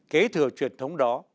kế thừa truyền thống đó